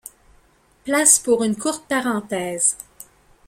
Place pour une courte parenthèse.